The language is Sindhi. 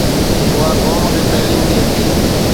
اها قوم کي تعليم ڏئي ٿي.